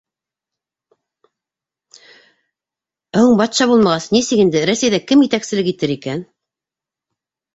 Ә һуң батша булмағас, нисек инде, Рәсәйҙә кем етәкселек итер икән...